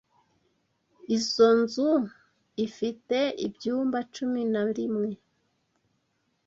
Izoi nzu ifite ibyumba cumi na rimwe.